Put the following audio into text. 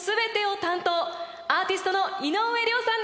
アーティストの井上涼さんです！